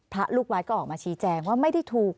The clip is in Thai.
ลูกวัดก็ออกมาชี้แจงว่าไม่ได้ถูก